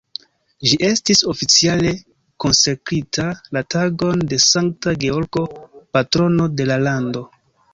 Ĝi estis oficiale konsekrita la tagon de Sankta Georgo, patrono de la lando.